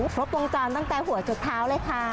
ครบวงจรตั้งแต่หัวจดเท้าเลยค่ะ